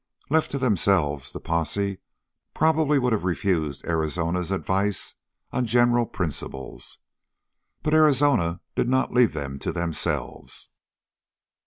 Left to themselves, the posse probably would have refused Arizona's advice on general principles, but Arizona did not leave them to themselves.